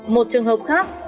một trường hợp khác